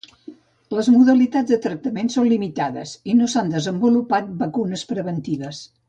Les modalitats de tractament són limitades i no s'han desenvolupat vacunes preventives.